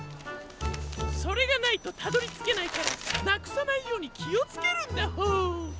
それがないとたどりつけないからなくさないようにきをつけるんだホォー。